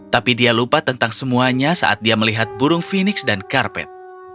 tapi dia lupa tentang semuanya saat dia melihat burung fenix dan karpet